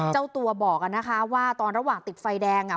เจ้าตัวบอกว่านะคะตอนระหว่างติดไฟแดง